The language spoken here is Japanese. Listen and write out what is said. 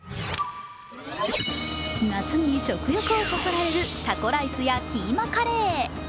夏に食欲をそそられるタコライスやキーマカレー。